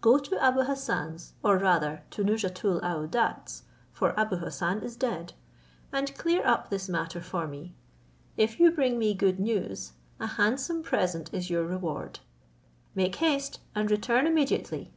Go to Abou Hassan's or rather to Nouzhatoul aouadat's, for Abou Hassan is dead, and clear up this matter for me. If you bring me good news, a handsome present is your reward: make haste, and return immediately."